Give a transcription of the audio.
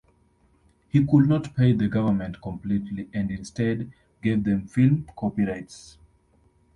He could not pay the government completely and instead gave them film copyrights.